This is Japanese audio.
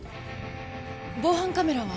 防犯カメラは？